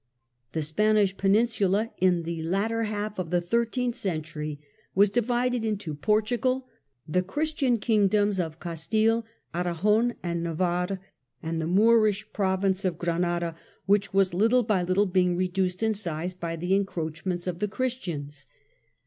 The Spanish Peninsula in the latter half of the thirteenth century was divided into Portugal, the Christian Kingdoms of Castile, Aragon and Navarre, and the Moorish Province of Granada, which was little by little being reduced in size by the encroachments of the Christians.